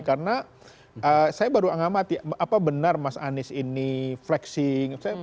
karena saya baru mengamati apa benar mas anies ini flexing